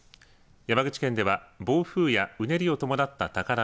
山口県では暴風やうねりを伴った高波